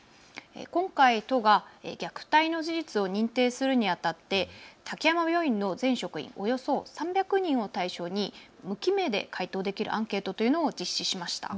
今回、都が虐待の事実を認定するにあたって滝山病院の全職員およそ３００人を対象に無記名で回答できるアンケートというのを実施しました。